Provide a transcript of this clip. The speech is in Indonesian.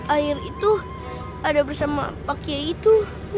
air itu ada bersama pak kiai itu